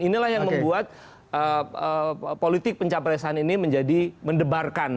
inilah yang membuat politik pencapresan ini menjadi mendebarkan